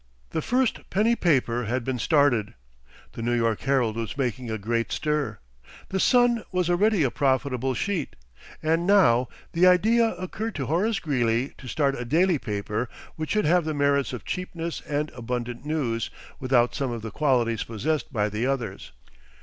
The first penny paper had been started. The New York "Herald" was making a great stir. The "Sun" was already a profitable sheet. And now the idea occurred to Horace Greeley to start a daily paper which should have the merits of cheapness and abundant news, without some of the qualities possessed by the others.